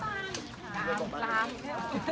บ๊ายบาย